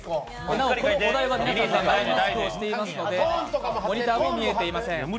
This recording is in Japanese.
なお、お題は皆さんマスクをしていますので、モニターも見えていません。